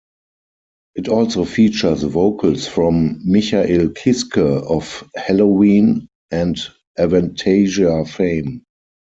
It also features vocals from Michael Kiske of Helloween and Avantasia fame.